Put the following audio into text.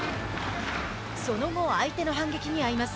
その後、相手の反撃に遭います。